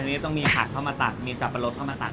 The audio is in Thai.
วันนี้ต้องมีผักเข้ามาตักมีสับปะรดเข้ามาตัก